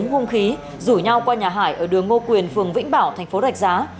hung khí rủ nhau qua nhà hải ở đường ngô quyền phường vĩnh bảo tp rạch giá